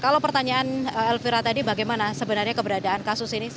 kalau pertanyaan elvira tadi bagaimana sebenarnya keberadaan kasus ini